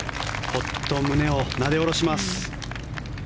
ホッと胸をなで下ろします。